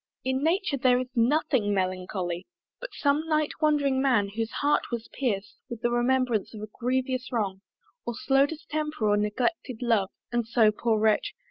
In nature there is nothing melancholy. But some night wandering Man, whose heart was pierc'd With the remembrance of a grievous wrong, Or slow distemper or neglected love, (And so, poor Wretch!